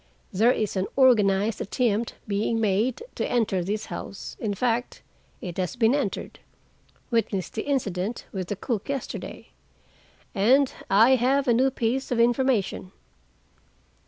There is an organized attempt being made to enter this house; in fact, it has been entered. Witness the incident with the cook yesterday. And I have a new piece of information."